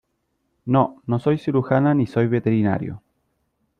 no , no soy cirujana ni soy veterinario .